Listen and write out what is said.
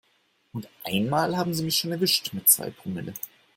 Und einmal haben sie mich schon erwischt mit zwei Promille.